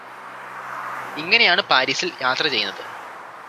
ഇങ്ങനെയാണ് പാരിസിൽ യാത്ര ചെയ്യുന്നത്